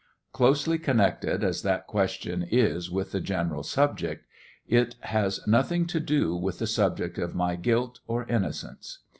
Closely connected as that question is with the general subject, it has nothing to do with the subject of my guilt or innocence.